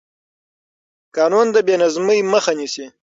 قانون د بې نظمۍ مخه نیسي